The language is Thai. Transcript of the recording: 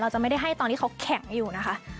จะไม่ได้ให้ตอนนี้เขาแข็งอยู่นะคะ